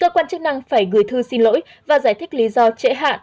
cơ quan chức năng phải gửi thư xin lỗi và giải thích lý do trễ hạn